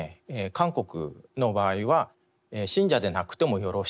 韓国の場合は信者でなくてもよろしいと。